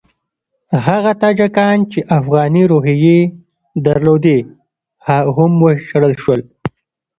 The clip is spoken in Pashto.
هغه تاجکان چې افغاني روحیې درلودې هم وشړل شول.